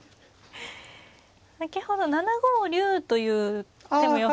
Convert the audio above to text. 先ほど７五竜という手も予想で。